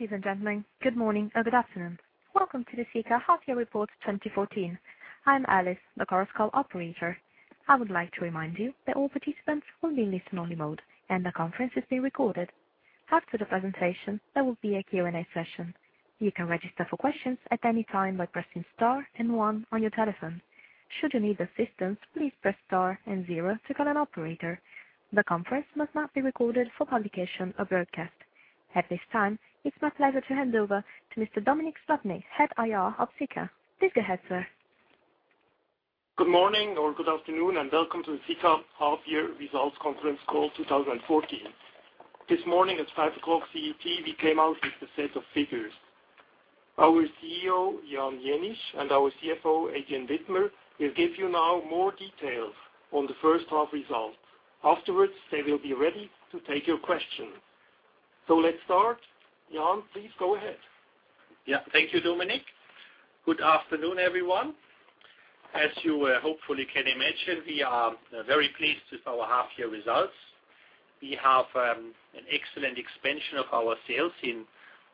Ladies and gentlemen, good morning or good afternoon. Welcome to the Sika Half Year Report 2014. I'm Alice, the conference call operator. I would like to remind you that all participants will be in listen-only mode, and the conference is being recorded. After the presentation, there will be a Q&A session. You can register for questions at any time by pressing star and one on your telephone. Should you need assistance, please press star and zero to call an operator. The conference must not be recorded for publication or broadcast. At this time, it's my pleasure to hand over to Mr. Dominik Slappnig, Head IR of Sika. Please go ahead, sir. Good morning or good afternoon, and welcome to the Sika Half Year Results Conference Call 2014. This morning at 5:00 CET, we came out with a set of figures. Our CEO, Jan Jenisch, and our CFO, Adrian Widmer, will give you now more details on the first half results. Afterwards, they will be ready to take your questions. Let's start. Jan, please go ahead. Thank you, Dominik. Good afternoon, everyone. As you hopefully can imagine, we are very pleased with our half-year results. We have an excellent expansion of our sales in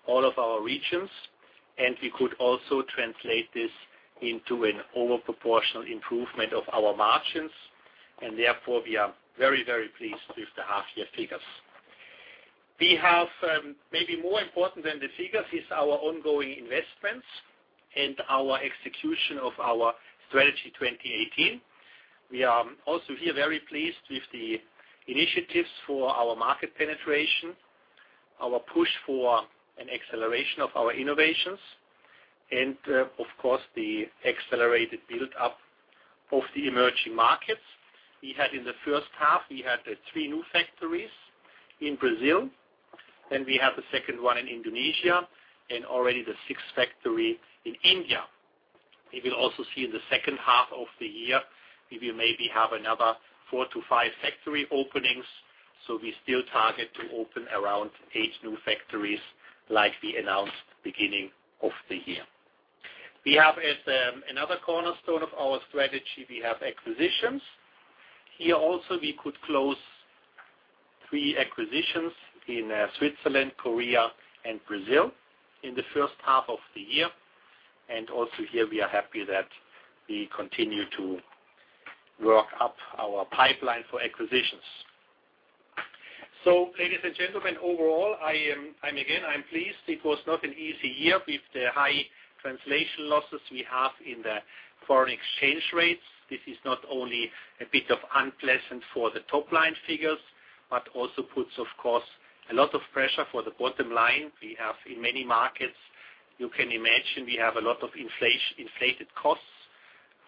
all of our regions, and we could also translate this into an overproportional improvement of our margins. Therefore, we are very pleased with the half-year figures. Maybe more important than the figures is our ongoing investments and our execution of our Strategy 2018. We are also here very pleased with the initiatives for our market penetration, our push for an acceleration of our innovations, and of course, the accelerated build-up of the emerging markets. In the first half, we had three new factories in Brazil, we have the second one in Indonesia, and already the sixth factory in India. You will also see in the second half of the year, we will maybe have another four to five factory openings. We still target to open around eight new factories like we announced beginning of the year. As another cornerstone of our strategy, we have acquisitions. Here also, we could close three acquisitions in Switzerland, Korea, and Brazil in the first half of the year. Also here we are happy that we continue to work up our pipeline for acquisitions. Ladies and gentlemen, overall, again, I'm pleased. It was not an easy year with the high translation losses we have in the foreign exchange rates. This is not only a bit unpleasant for the top-line figures, but also puts, of course, a lot of pressure for the bottom line. We have in many markets, you can imagine we have a lot of inflated costs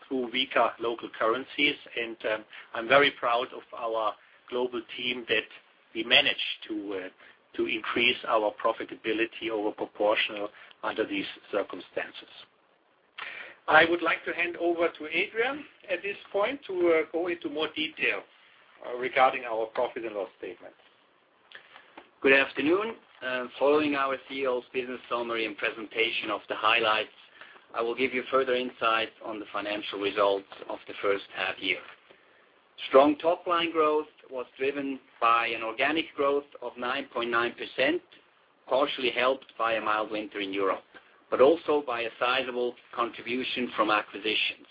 through weaker local currencies, and I'm very proud of our global team that we managed to increase our profitability over proportional under these circumstances. I would like to hand over to Adrian at this point to go into more detail regarding our profit and loss statement. Good afternoon. Following our CEO's business summary and presentation of the highlights, I will give you further insight on the financial results of the first half-year. Strong top-line growth was driven by an organic growth of 9.9%, partially helped by a mild winter in Europe, but also by a sizable contribution from acquisitions,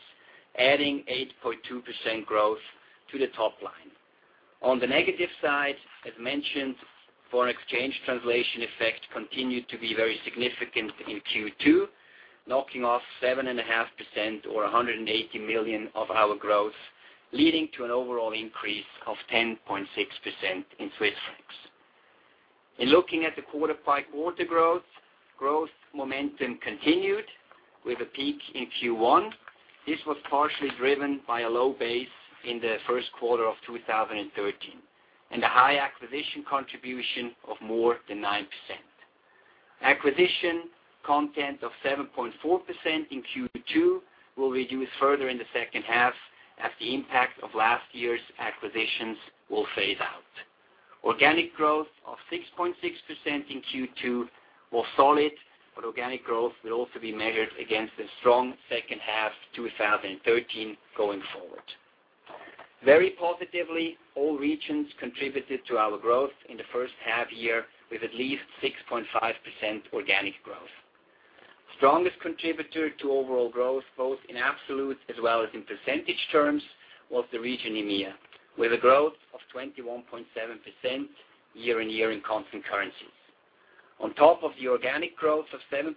adding 8.2% growth to the top line. On the negative side, as mentioned, foreign exchange translation effect continued to be very significant in Q2, knocking off 7.5% or 180 million of our growth, leading to an overall increase of 10.6% in CHF. In looking at the quarter-over-quarter growth momentum continued with a peak in Q1. This was partially driven by a low base in the first quarter of 2013 and a high acquisition contribution of more than 9%. Acquisition content of 7.4% in Q2 will reduce further in the second half as the impact of last year's acquisitions will phase out. Organic growth of 6.6% in Q2 was solid, but organic growth will also be measured against the strong second half 2013 going forward. Very positively, all regions contributed to our growth in the first half-year with at least 6.5% organic growth. Strongest contributor to overall growth, both in absolute as well as in percentage terms, was the region EMEA, with a growth of 21.7% year-on-year in constant currencies. On top of the organic growth of 7%,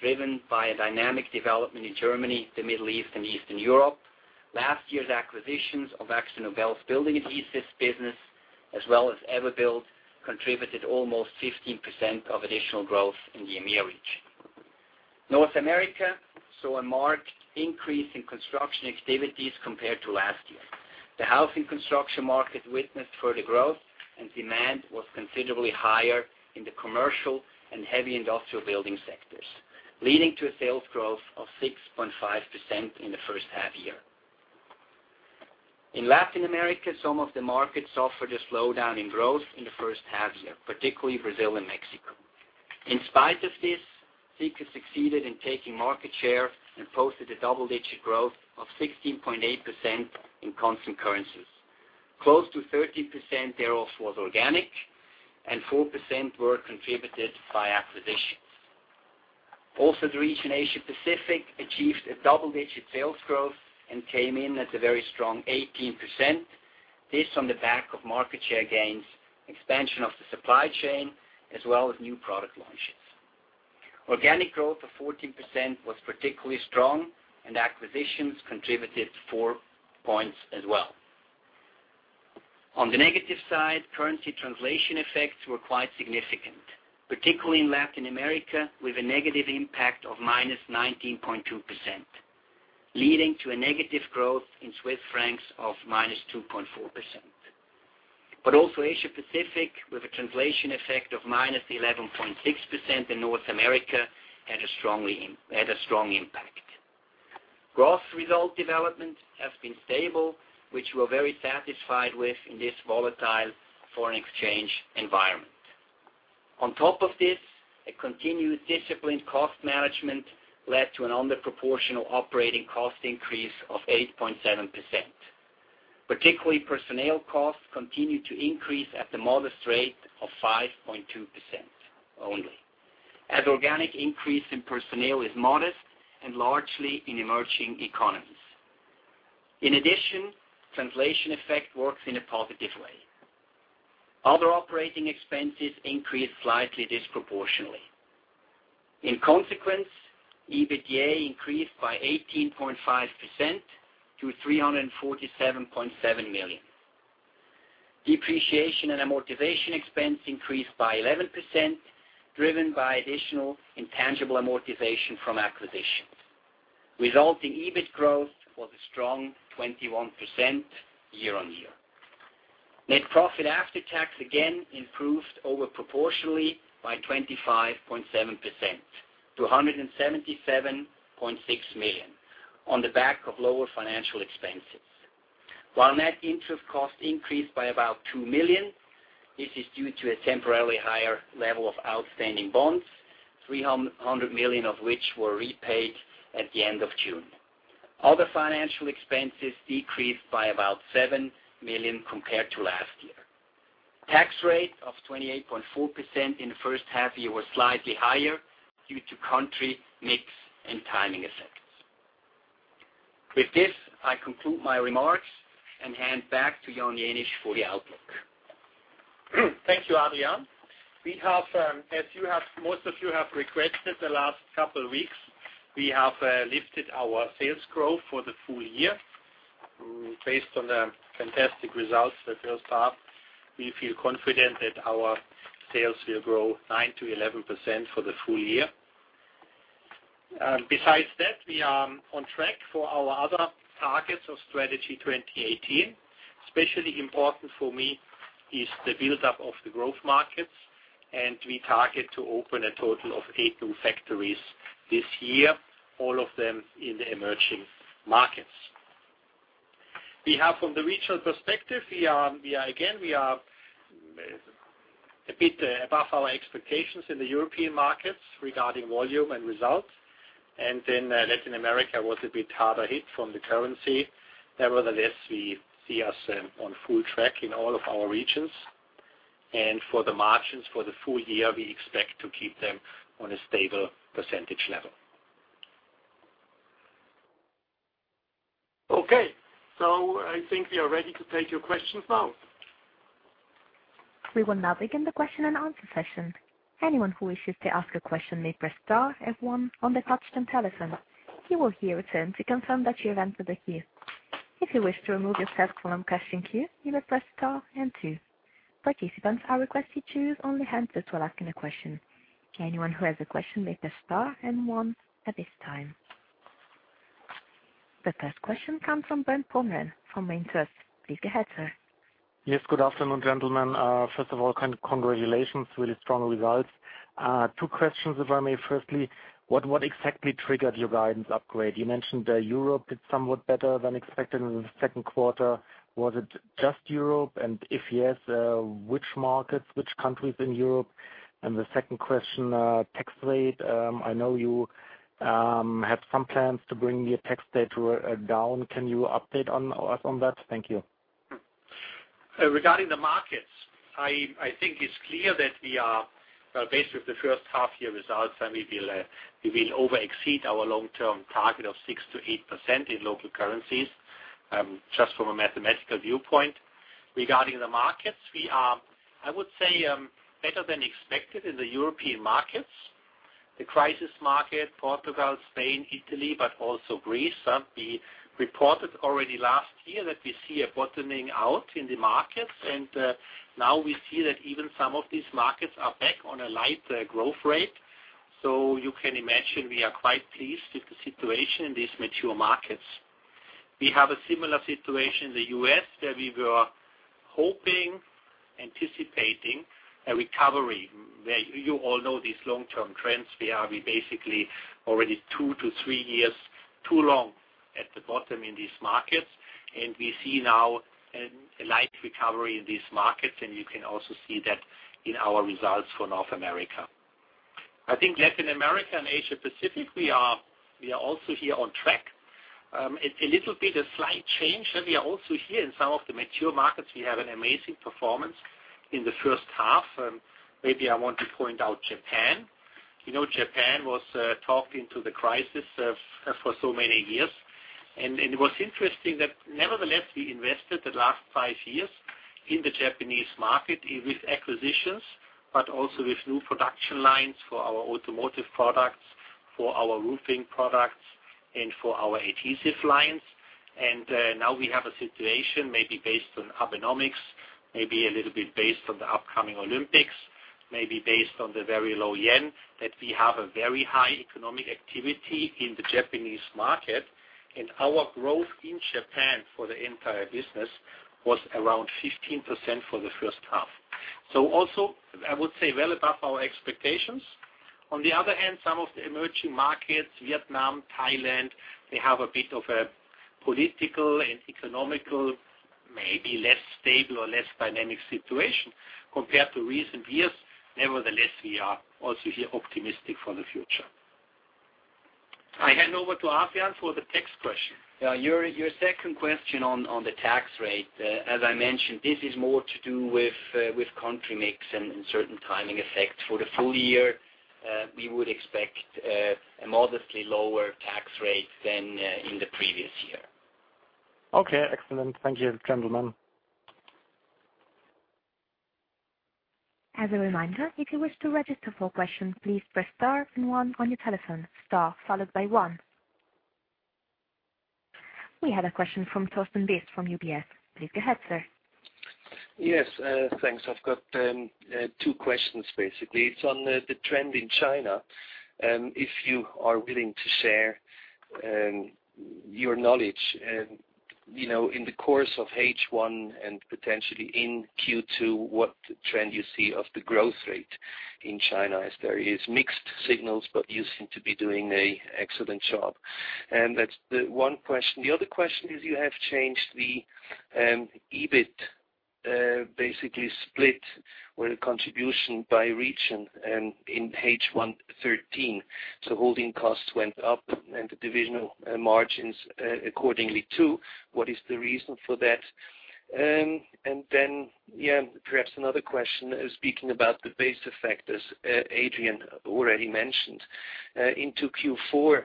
driven by a dynamic development in Germany, the Middle East, and Eastern Europe, last year's acquisitions of AkzoNobel's Building Adhesives business as well as Everbuild contributed almost 15% of additional growth in the EMEA region. North America saw a marked increase in construction activities compared to last year. The housing construction market witnessed further growth, and demand was considerably higher in the commercial and heavy industrial building sectors, leading to a sales growth of 6.5% in the first half-year. In Latin America, some of the markets suffered a slowdown in growth in the first half-year, particularly Brazil and Mexico. In spite of this, Sika succeeded in taking market share and posted a double-digit growth of 16.8% in constant currencies. Close to 30% thereof was organic, and 4% were contributed by acquisitions. Also, the region Asia Pacific achieved a double-digit sales growth and came in at a very strong 18%. This on the back of market share gains, expansion of the supply chain, as well as new product launches. Organic growth of 14% was particularly strong, and acquisitions contributed 4 points as well. On the negative side, currency translation effects were quite significant, particularly in Latin America, with a negative impact of -19.2%, leading to a negative growth in Swiss francs of -2.4%. Asia-Pacific, with a translation effect of -11.6%, and North America had a strong impact. Gross result development has been stable, which we are very satisfied with in this volatile foreign exchange environment. On top of this, a continued disciplined cost management led to an under proportional operating cost increase of 8.7%. Particularly personnel costs continue to increase at the modest rate of 5.2% only, as organic increase in personnel is modest and largely in emerging economies. In addition, translation effect works in a positive way. Other operating expenses increased slightly disproportionately. In consequence, EBITDA increased by 18.5% to 347.7 million. Depreciation and amortization expense increased by 11%, driven by additional intangible amortization from acquisitions. Resulting EBIT growth was a strong 21% year-on-year. Net profit after tax again improved over proportionally by 25.7% to 177.6 million on the back of lower financial expenses. While net interest costs increased by about 2 million, this is due to a temporarily higher level of outstanding bonds, 300 million of which were repaid at the end of June. Other financial expenses decreased by about 7 million compared to last year. Tax rate of 28.4% in the first half year was slightly higher due to country mix and timing effects. With this, I conclude my remarks and hand back to Jan Jenisch for the outlook. Thank you, Adrian. As most of you have requested the last couple weeks, we have lifted our sales growth for the full year. Based on the fantastic results the first half, we feel confident that our sales will grow 9%-11% for the full year. Besides that, we are on track for our other targets of Strategy 2018. Especially important for me is the buildup of the growth markets, and we target to open a total of eight new factories this year, all of them in the emerging markets. From the regional perspective, again, we are a bit above our expectations in the European markets regarding volume and results. Latin America was a bit harder hit from the currency. Nevertheless, we see ourself on full track in all of our regions. For the margins for the full year, we expect to keep them on a stable percentage level. I think we are ready to take your questions now. We will now begin the question and answer session. Anyone who wishes to ask a question may press star f one on the touch tone telephone. You will hear a tone to confirm that you have entered the queue. If you wish to remove yourself from the question queue, you may press star and two. Participants are requested to use only hands-free while asking a question. Anyone who has a question may press star and one at this time. The first question comes from Bernd Pommer from MainFirst. Please go ahead, sir. Yes, good afternoon, gentlemen. First of all, congratulations, really strong results. Two questions, if I may. Firstly, what exactly triggered your guidance upgrade? You mentioned Europe did somewhat better than expected in the second quarter. Was it just Europe? If yes, which markets, which countries in Europe? The second question, tax rate. I know you had some plans to bring your tax rate down. Can you update us on that? Thank you. Regarding the markets, I think it's clear that based with the first half year results, we will over exceed our long-term target of 6%-8% in local currencies, just from a mathematical viewpoint. Regarding the markets, we are, I would say, better than expected in the European markets. The crisis market, Portugal, Spain, Italy, but also Greece. We reported already last year that we see a bottoming out in the markets. Now we see that even some of these markets are back on a light growth rate. You can imagine we are quite pleased with the situation in these mature markets. We have a similar situation in the U.S. where we were hoping, anticipating a recovery, where you all know these long-term trends. We are basically already 2-3 years too long at the bottom in these markets. We see now a light recovery in these markets. You can also see that in our results for North America. I think Latin America and Asia Pacific, we are also here on track. A little bit a slight change. We are also here in some of the mature markets. We have an amazing performance in the first half. Maybe I want to point out Japan. Japan was talked into the crisis for so many years. It was interesting that nevertheless, we invested the last five years in the Japanese market with acquisitions, but also with new production lines for our automotive products, for our roofing products, and for our adhesive lines. Now we have a situation, maybe based on Abenomics, maybe a little bit based on the upcoming Olympics, maybe based on the very low JPY, that we have a very high economic activity in the Japanese market. Our growth in Japan for the entire business was around 15% for the first half. Also, I would say well above our expectations. On the other hand, some of the emerging markets, Vietnam, Thailand, they have a bit of a political and economical, maybe less stable or less dynamic situation compared to recent years. Nevertheless, we are also here optimistic for the future. I hand over to Adrian for the tax question. Your second question on the tax rate. As I mentioned, this is more to do with country mix and certain timing effects. For the full year, we would expect a modestly lower tax rate than in the previous year. Okay, excellent. Thank you, gentlemen. As a reminder, if you wish to register for questions, please press star and one on your telephone. Star followed by one. We have a question from Thorsten Beiss from UBS. Please go ahead, sir. Yes, thanks. I've got two questions, basically. It's on the trend in China, and if you are willing to share your knowledge. In the course of H1 and potentially in Q2, what trend you see of the growth rate in China as there is mixed signals, but you seem to be doing a excellent job. That's the one question. The other question is you have changed the EBIT basically split or the contribution by region and in page 113. Holding costs went up and the divisional margins accordingly too. What is the reason for that? Perhaps another question, speaking about the base effect as Adrian already mentioned. Into Q4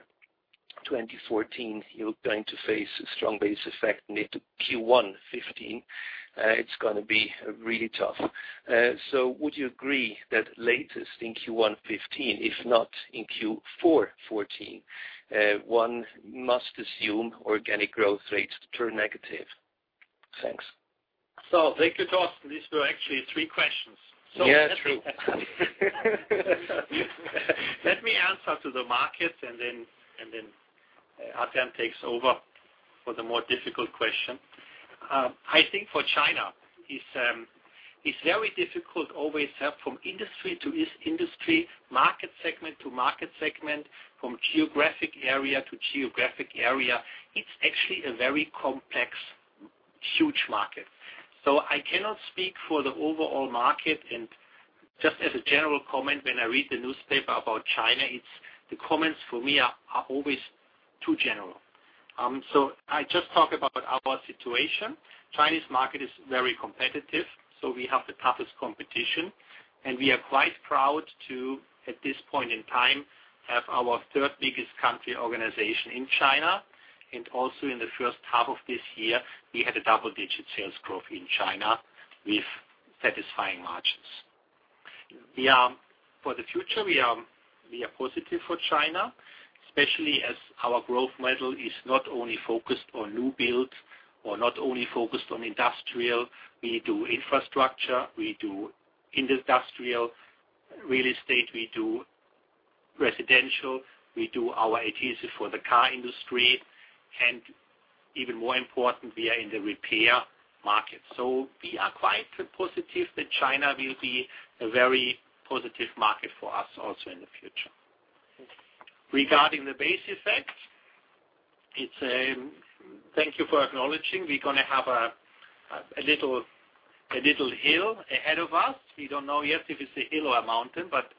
2014, you're going to face a strong base effect into Q1 2015. It's going to be really tough. Would you agree that latest in Q1 2015, if not in Q4 2014, one must assume organic growth rates turn negative? Thanks. Thank you, Thorsten. These were actually three questions. Yeah, true. Let me answer to the market, then Adrian Widmer takes over for the more difficult question. For China, it's very difficult always from industry to industry, market segment to market segment, from geographic area to geographic area. It's actually a very complex, huge market. I cannot speak for the overall market. Just as a general comment, when I read the newspaper about China, the comments for me are always too general. I just talk about our situation. Chinese market is very competitive, so we have the toughest competition, and we are quite proud to, at this point in time, have our third biggest country organization in China. In the first half of this year, we had a double-digit sales growth in China with satisfying margins. For the future, we are positive for China, especially as our growth model is not only focused on new build or not only focused on industrial. We do infrastructure, we do industrial real estate, we do residential, we do our adhesive for the car industry, and even more important, we are in the repair market. We are quite positive that China will be a very positive market for us also in the future. Regarding the base effect, thank you for acknowledging. We're going to have a little hill ahead of us. We don't know yet if it's a hill or a mountain, but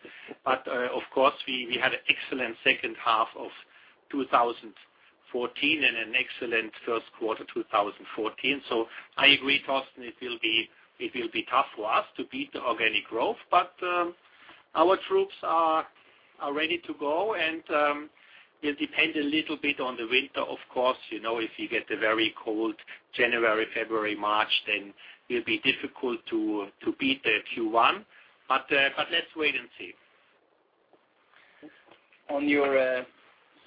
of course, we had an excellent second half of 2014 and an excellent first quarter 2014. I agree, Thorsten Beiss, it will be tough for us to beat the organic growth, our troops are ready to go, it'll depend a little bit on the winter. Of course, if you get a very cold January, February, March, it'll be difficult to beat the Q1. Let's wait and see. On your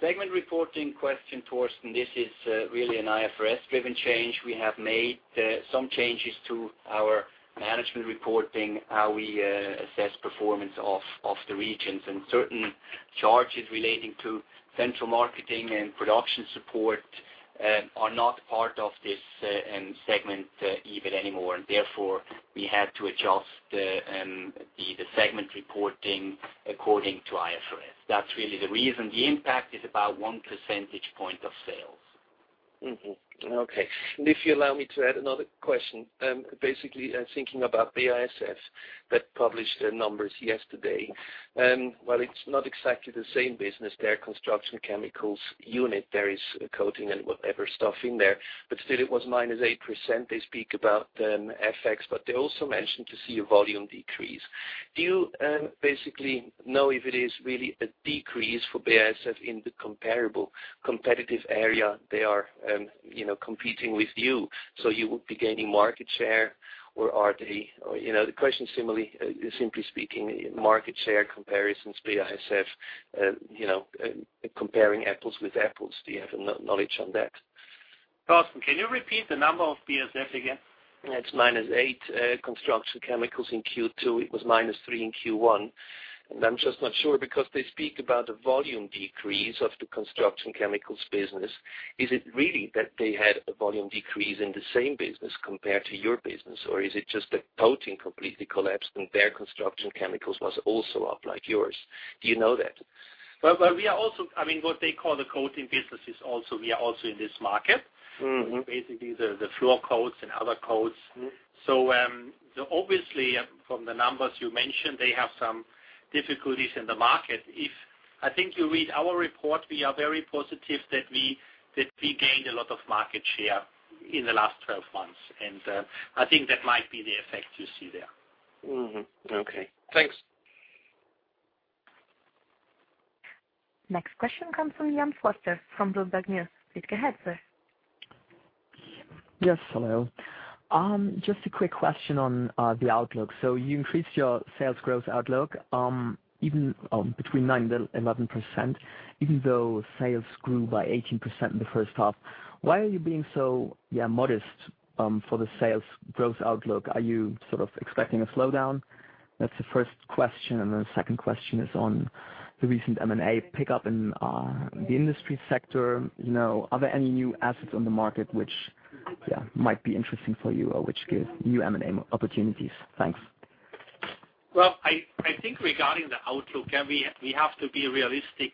segment reporting question, Thorsten Beiss, this is really an IFRS-driven change. We have made some changes to our management reporting, how we assess performance of the regions, certain charges relating to central marketing and production support are not part of this segment EBIT anymore, we had to adjust the segment reporting according to IFRS. That's really the reason. The impact is about one percentage point of sales. Okay. If you allow me to add another question. Thinking about BASF that published their numbers yesterday. While it's not exactly the same business, their construction chemicals unit, there is coating and whatever stuff in there, but still it was -8%. They speak about FX, but they also mentioned to see a volume decrease. Do you know if it is really a decrease for BASF in the comparable competitive area they are competing with you, so you would be gaining market share? Or the question simply speaking, market share comparisons, BASF, comparing apples with apples. Do you have knowledge on that? Thorsten, can you repeat the number of BASF again? It's -8% construction chemicals in Q2. It was -3% in Q1. I'm just not sure because they speak about the volume decrease of the construction chemicals business. Is it really that they had a volume decrease in the same business compared to your business? Or is it just that coating completely collapsed and their construction chemicals was also up like yours? Do you know that? Well, what they call the coating business, we are also in this market. Basically, the floor coats and other coats. Obviously from the numbers you mentioned, they have some difficulties in the market. If, I think you read our report, we are very positive that we gained a lot of market share in the last 12 months, and I think that might be the effect you see there. Okay. Thanks. Next question comes from Ian Foster from Bloomberg News. Please go ahead, sir. Yes, hello. Just a quick question on the outlook. You increased your sales growth outlook between 9%-11%, even though sales grew by 18% in the first half. Why are you being so modest for the sales growth outlook? Are you sort of expecting a slowdown? That's the first question, and the second question is on the recent M&A pickup in the industry sector. Are there any new assets on the market which, yeah, might be interesting for you, or which give you M&A opportunities? Thanks. Well, I think regarding the outlook, we have to be realistic.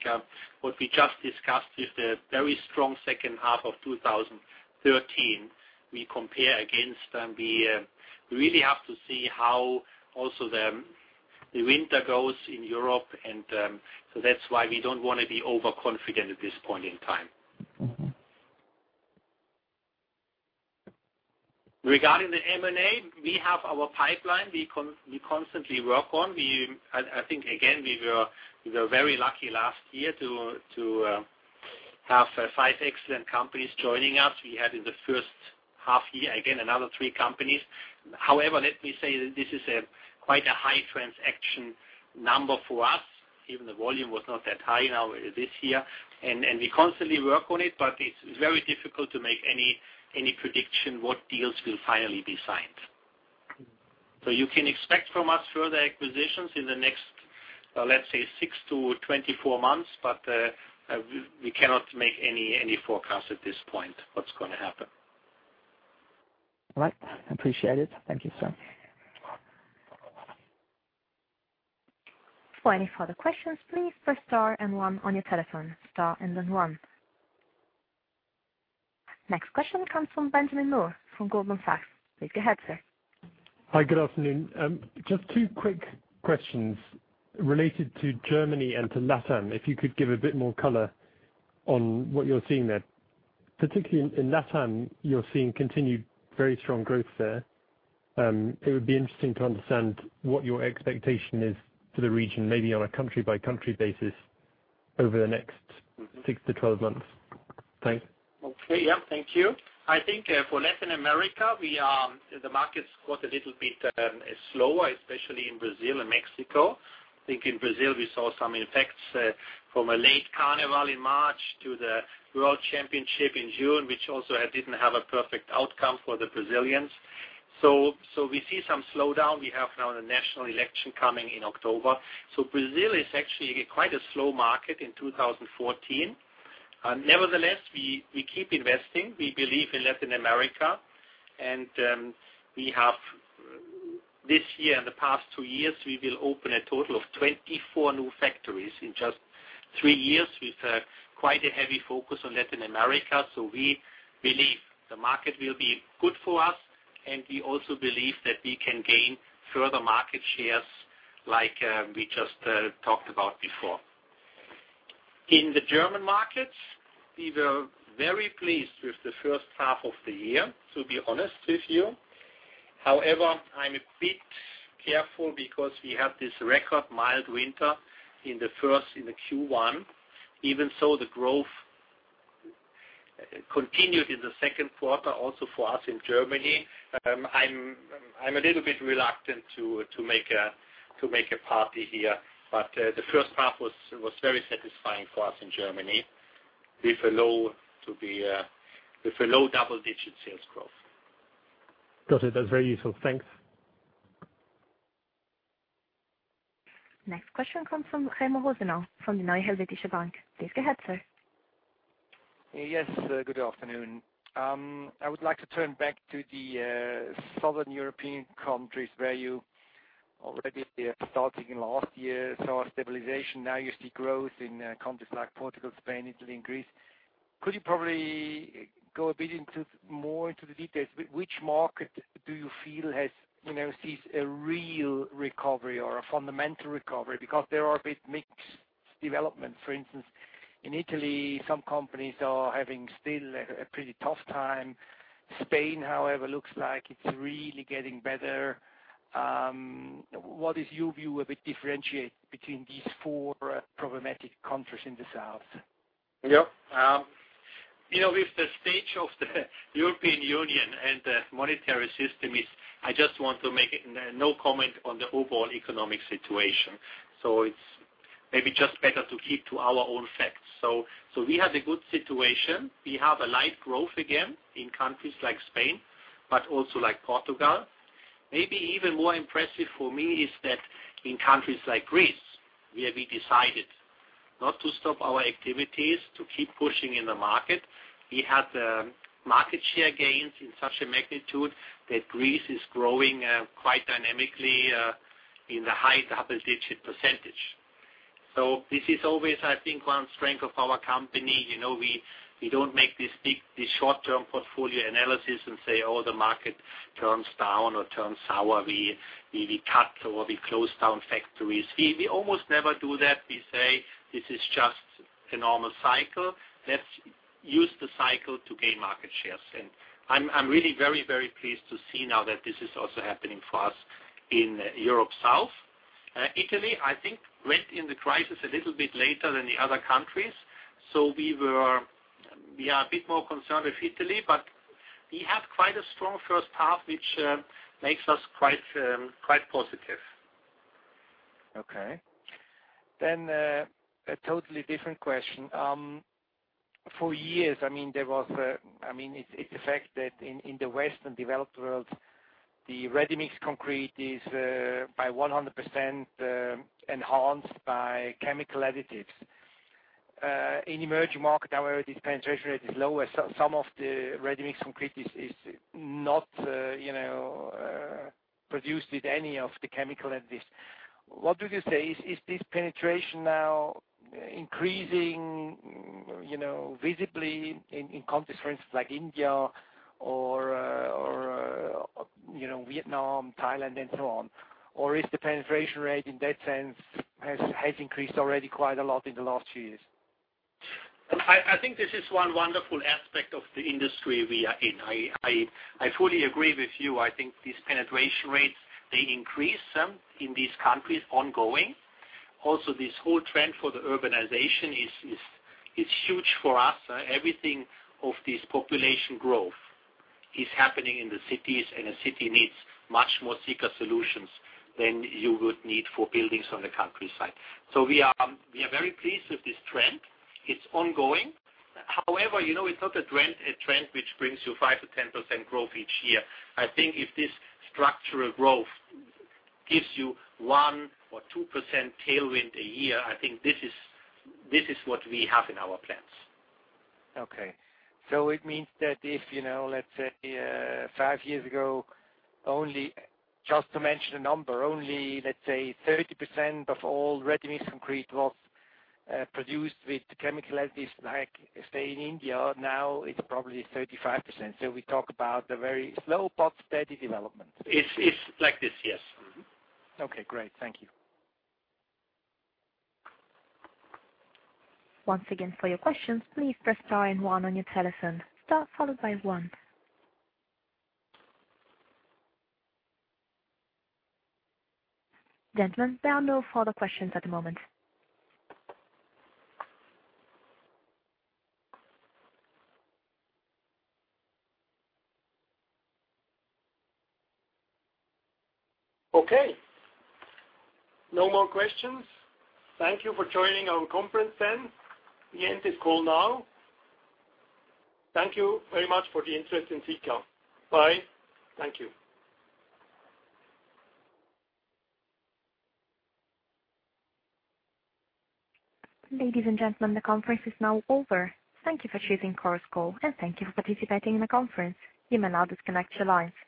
What we just discussed is the very strong second half of 2013 we compare against, and we really have to see how also the winter goes in Europe, and so that's why we don't want to be overconfident at this point in time. Regarding the M&A, we have our pipeline we constantly work on. I think, again, we were very lucky last year to have five excellent companies joining us. We had in the first half year, again, another three companies. However, let me say that this is quite a high transaction number for us, even the volume was not that high this year. We constantly work on it, but it's very difficult to make any prediction what deals will finally be signed. You can expect from us further acquisitions in the next, let's say, six to 24 months, but we cannot make any forecast at this point what's going to happen. All right. Appreciate it. Thank you, sir. For any further questions, please press star and one on your telephone. Star and then one. Next question comes from Benjamin Moore from Goldman Sachs. Please go ahead, sir. Hi, good afternoon. Just two quick questions related to Germany and to LATAM. If you could give a bit more color on what you're seeing there. Particularly in LATAM, you're seeing continued very strong growth there. It would be interesting to understand what your expectation is for the region, maybe on a country-by-country basis over the next 6-12 months. Thanks. Okay. Yeah, thank you. I think for Latin America, the market's got a little bit slower, especially in Brazil and Mexico. I think in Brazil we saw some effects from a late carnival in March to the World Championship in June, which also didn't have a perfect outcome for the Brazilians. We see some slowdown. We have now the national election coming in October. Brazil is actually quite a slow market in 2014. Nevertheless, we keep investing. We believe in Latin America, and this year and the past two years, we will open a total of 24 new factories in just three years with quite a heavy focus on Latin America. We believe the market will be good for us, and we also believe that we can gain further market shares like we just talked about before. In the German markets, we were very pleased with the first half of the year, to be honest with you. I'm a bit careful because we had this record mild winter in the Q1. The growth continued in the second quarter also for us in Germany. I'm a little bit reluctant to make a party here, the first half was very satisfying for us in Germany, with a low double-digit sales growth. Got it. That's very useful. Thanks. Next question comes from Remo Rosenau from the Neue Helvetische Bank. Please go ahead, sir. Good afternoon. I would like to turn back to the Southern European countries where you Starting in last year, saw a stabilization. You see growth in countries like Portugal, Spain, Italy, and Greece. Could you probably go a bit more into the details, which market do you feel sees a real recovery or a fundamental recovery? There are a bit mixed developments. For instance, in Italy, some companies are having still a pretty tough time. Spain, however, looks like it's really getting better. What is your view a bit differentiate between these four problematic countries in the south? Yeah. With the state of the European Union and the monetary system, I just want to make no comment on the overall economic situation. It's maybe just better to keep to our own facts. We have a good situation. We have a light growth again in countries like Spain, but also like Portugal. Maybe even more impressive for me is that in countries like Greece, where we decided not to stop our activities, to keep pushing in the market. We had market share gains in such a magnitude that Greece is growing quite dynamically in the high double-digit %. This is always, I think, one strength of our company. We don't make this short-term portfolio analysis and say, "Oh, the market turns down or turns sour. We cut or we close down factories." We almost never do that. We say, "This is just a normal cycle. Let's use the cycle to gain market shares." I'm really very, very pleased to see now that this is also happening for us in Europe South. Italy, I think, went in the crisis a little bit later than the other countries. We are a bit more concerned with Italy, but we have quite a strong first half, which makes us quite positive. Okay. A totally different question. For years, it affected in the Western developed world, the ready-mix concrete is by 100% enhanced by chemical additives. In emerging market, however, this penetration rate is lower. Some of the ready-mix concrete is not produced with any of the chemical additives. What would you say, is this penetration now increasing visibly in countries, for instance, like India or Vietnam, Thailand, and so on? Is the penetration rate in that sense has increased already quite a lot in the last years? I think this is one wonderful aspect of the industry we are in. I fully agree with you. I think these penetration rates, they increase in these countries ongoing. This whole trend for urbanization is huge for us. Everything of this population growth is happening in the cities, and a city needs much more Sika solutions than you would need for buildings on the countryside. We are very pleased with this trend. It's ongoing. However, it's not a trend which brings you 5%-10% growth each year. I think if this structural growth gives you 1% or 2% tailwind a year, I think this is what we have in our plans. Okay. It means that if, let's say, five years ago, only, just to mention a number, only, let's say, 30% of all ready-mix concrete was produced with chemical additives like, say, in India, now it's probably 35%. We talk about a very slow but steady development. It's like this, yes. Mm-hmm. Okay, great. Thank you. Once again, for your questions, please press star and one on your telephone. Star followed by one. Gentlemen, there are no further questions at the moment. Okay. No more questions. Thank you for joining our conference. We end this call now. Thank you very much for the interest in Sika. Bye. Thank you. Ladies and gentlemen, the conference is now over. Thank you for choosing Chorus Call, and thank you for participating in the conference. You may now disconnect your line.